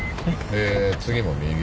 で次も右。